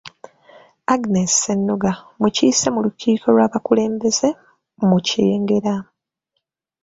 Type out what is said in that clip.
Agness Ssennoga mukiise ku lukiiko lw’abakulembeze mu Kyengera.